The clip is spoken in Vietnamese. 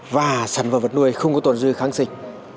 và sản phẩm vật nuôi không có tồn dư kháng sinh